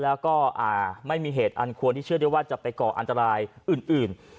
แล้วก็ไม่มีเหตุอันควรที่เชื่อได้ว่าจะไปก่ออันตรายอื่น